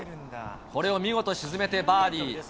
これを見事、沈めてバーディー。